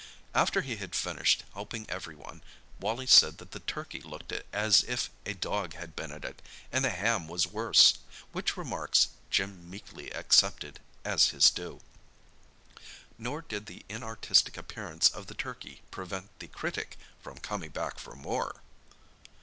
After he had finished helping every one, Wally said that the turkey looked as if a dog had been at it, and the ham was worse, which remarks Jim meekly accepted as his due. Nor did the inartistic appearance of the turkey prevent the critic from coming back for more!